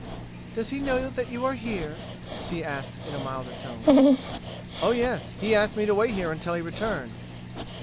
"Does he know that you are here?" she asked in a milder tone. "Oh, yes. He asked me to wait here until he returned."